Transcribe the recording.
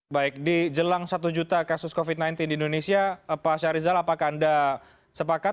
baik di jelang satu juta kasus covid sembilan belas di indonesia pak syahrizal apakah anda sepakat